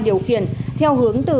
điều kiện theo hướng từ